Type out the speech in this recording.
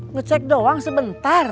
ngecek doang sebentar